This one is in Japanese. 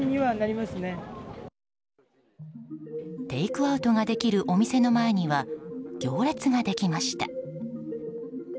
テイクアウトができるお店の前には行列ができました。